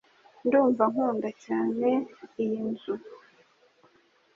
Ndumva nkunda cyane iyi nzu.